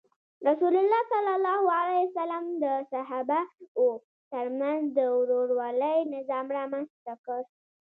رسول الله د صحابه وو تر منځ د ورورولۍ نظام رامنځته کړ.